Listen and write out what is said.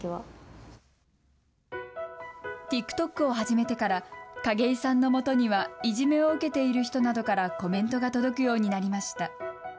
ＴｉｋＴｏｋを始めてから、景井さんのもとには、いじめを受けている人などからコメントが届くようになりました。